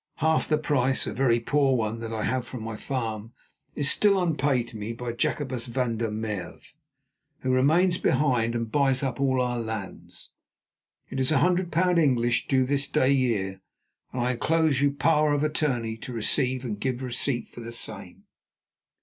Half the price, a very poor one, that I have for my farm is still unpaid to me by Jacobus van der Merve, who remains behind and buys up all our lands. It is £100 English, due this day year, and I enclose you power of attorney to receive and give receipt for the same.